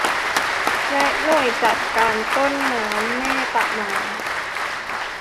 และหน่วยจัดการต้นน้ำแม่ตะมาน